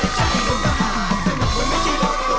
เออใช่รถมหาสนุกมันไม่ใช่รถตุ๊กตุ๊ก